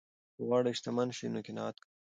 که غواړې شتمن شې نو قناعت کوه.